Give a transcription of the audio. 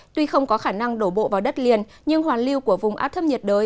tuy không có khả năng đổ bộ vào đất liền nhưng hoàn lưu của vùng áp thấp nhiệt đới